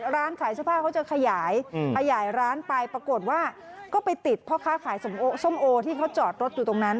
ร้านขายเสื้อผ้าเขาจะขยายขยายร้านไปปรากฏว่าก็ไปติดพ่อค้าขายส้มโอที่เขาจอดรถอยู่ตรงนั้น